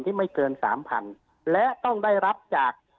ที่ออกมานั้นเนี่ย